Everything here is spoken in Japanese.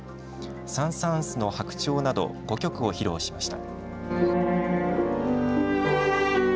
サン・サーンスの白鳥など５曲を披露しました。